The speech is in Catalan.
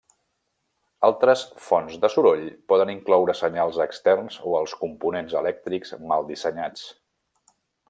Altres fonts de soroll poden incloure senyals externs o els components elèctrics mal dissenyats.